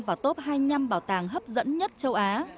và top hai mươi năm bảo tàng hấp dẫn nhất châu á